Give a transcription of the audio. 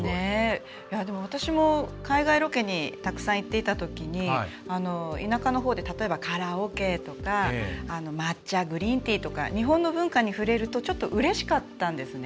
私も海外ロケにたくさん行っていたときに田舎のほうで例えばカラオケとか抹茶、グリーンティーとか日本の文化に触れるとちょっとうれしかったんですね。